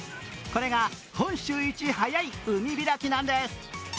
これが本州一早い海開きなんです。